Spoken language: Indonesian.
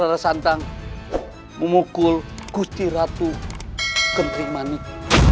tentang memukul gusti ratu gendrimanik